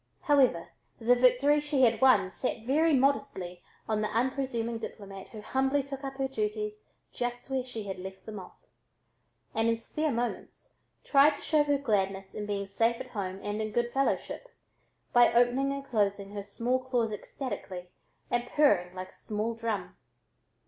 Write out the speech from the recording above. However the victory she had won sat very modestly on the unpresuming diplomat who humbly took up her duties just where she had left them off, and in spare moments tried to show her gladness in being safe at home and in good fellowship, by opening and shutting her small claws ecstatically and purring like a small drum.